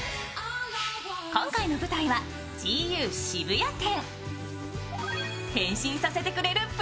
今回の舞台はＧＵ渋谷店。